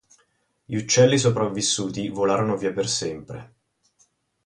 Gli uccelli sopravvissuti volarono via per sempre.